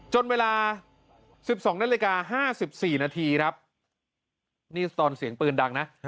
จนเวลา๑๒นาที๕๔นาทีนี่ตอนเสียงปืนดังนะ